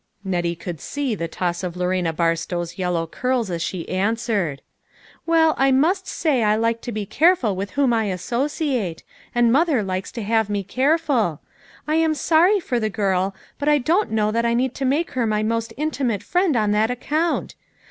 Xettie could see the toss of Lorena Barstow's yellow curls as she answered : "Well, I must say I like to be cai'eful with whom I associate ; and mother likes toliave me careful. I am sorry for the girl ; but I don't know that I need make her my most intimate friend on that account.